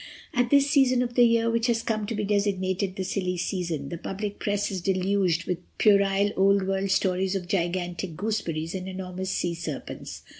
"'At this season of the year, which has come to be designated the silly season, the public press is deluged with puerile old world stories of gigantic gooseberries and enormous sea serpents.